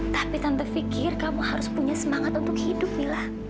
tapi tanpa fikir kamu harus punya semangat untuk hidup mila